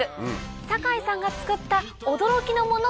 酒井さんが作った驚きのものとは？